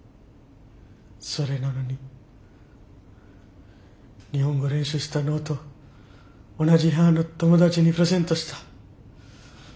それなのに日本語練習したノート同じ部屋の友達にプレゼントした。